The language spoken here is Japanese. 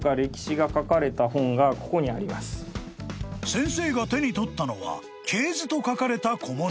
［先生が手に取ったのは系図と書かれた古文書］